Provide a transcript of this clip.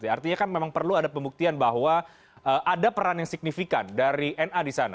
artinya kan memang perlu ada pembuktian bahwa ada peran yang signifikan dari na di sana